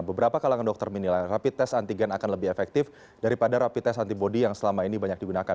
beberapa kalangan dokter menilai rapid test antigen akan lebih efektif daripada rapi tes antibody yang selama ini banyak digunakan